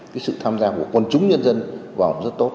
cái sự tham gia của quân chúng nhân dân vào rất tốt